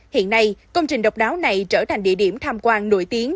hiện nay công trình độc đáo này trở thành địa điểm tham quan nổi tiếng